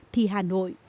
thì hà nội